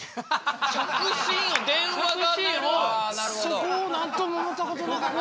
そこをなんとも思ったことなかった。